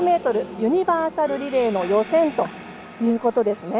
ユニバーサルリレーの予選ということですね。